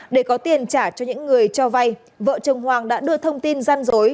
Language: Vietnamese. để có tiền trả cho những người cho vay vợ chồng hoàng đã đưa thông tin gian dối